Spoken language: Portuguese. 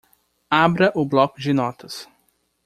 Abra o bloco de notas.